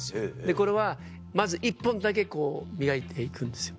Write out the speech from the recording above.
これはまず１本だけ磨いて行くんですよ。